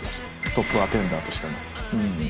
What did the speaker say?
トップアテンダーとしての。